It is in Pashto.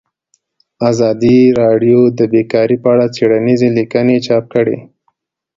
ازادي راډیو د بیکاري په اړه څېړنیزې لیکنې چاپ کړي.